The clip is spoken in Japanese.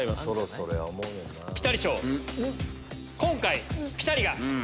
今回ピタリが。